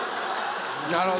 なるほど。